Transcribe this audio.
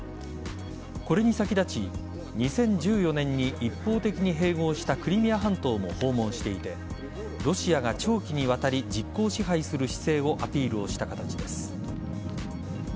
これに先立ち２０１４年に一方的に併合したクリミア半島も訪問していてロシアが長期にわたり実効支配する姿勢をアピールした形です。